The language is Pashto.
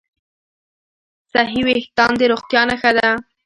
صحي وېښتيان د روغتیا نښه ده.